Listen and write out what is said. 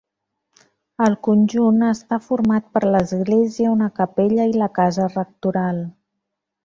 El conjunt està format per l’església, una capella i la casa rectoral.